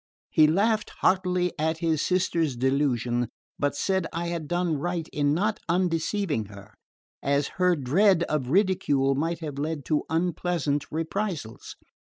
He laughed heartily at his sister's delusion, but said I had done right in not undeceiving her, as her dread of ridicule might have led to unpleasant reprisals.